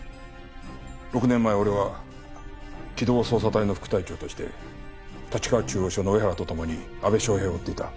６年前俺は機動捜査隊の副隊長として立川中央署の上原とともに阿部祥平を追っていた。